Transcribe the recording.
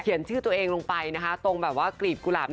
เขียนชื่อตัวเองลงไปตรงกลีบกุหลาบ